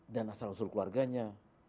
dan asal usul keluarganya